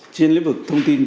trên lĩnh vực thông tin